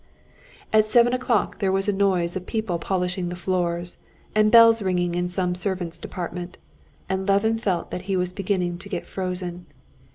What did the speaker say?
At seven o'clock there was a noise of people polishing the floors, and bells ringing in some servants' department, and Levin felt that he was beginning to get frozen.